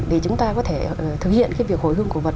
để chúng ta có thể thực hiện cái việc hồi hương cổ vật